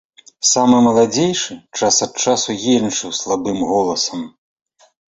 Самы маладзейшы час ад часу енчыў слабым голасам.